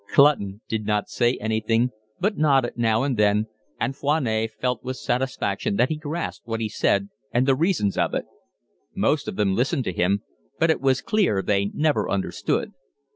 Clutton did not say anything, but nodded now and then, and Foinet felt with satisfaction that he grasped what he said and the reasons of it; most of them listened to him, but it was clear they never understood.